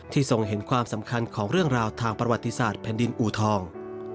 ทรงเห็นความสำคัญของเรื่องราวทางประวัติศาสตร์แผ่นดินอูทอง